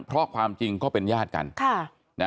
เพราะความจริงก็เป็นญาติกัน